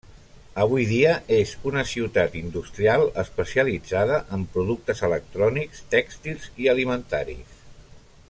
Avui dia és una ciutat industrial especialitzada en productes electrònics, tèxtils i alimentaris.